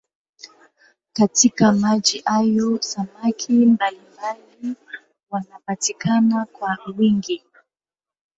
Katika maji hayo samaki mbalimbali wanapatikana kwa wingi.